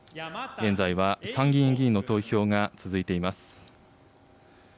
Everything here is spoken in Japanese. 現在は参議院議員の投票が続いています。